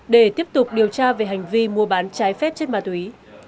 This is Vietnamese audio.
để tiếp tục điều tra về hành vi mua bán trái phép chất ma túy